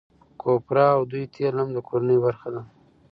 کوپره او دوی تېل هم د کورنۍ برخه ده.